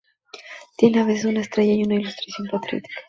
Tiene a veces una estrella y una ilustración de Patriota.